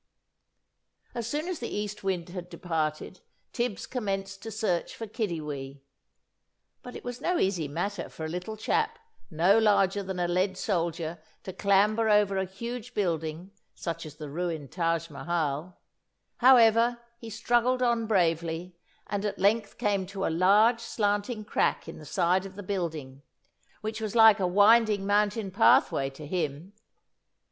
As soon as the East Wind had departed, Tibbs commenced to search for Kiddiwee. But it was no easy matter for a little chap no larger than a lead soldier to clamber over a huge building, such as the ruined Taj Mahal. However, he struggled on bravely, and at length came to a large slanting crack in the side of the building, which was like a winding mountain pathway to him.